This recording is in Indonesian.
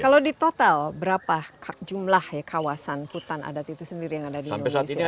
kalau di total berapa jumlah ya kawasan hutan adat itu sendiri yang ada di indonesia